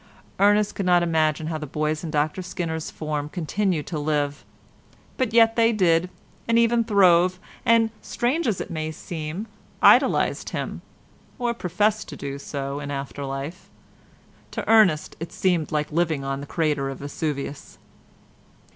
Ernest could not imagine how the boys in Dr Skinner's form continued to live; but yet they did, and even throve, and, strange as it may seem, idolised him, or professed to do so in after life. To Ernest it seemed like living on the crater of Vesuvius.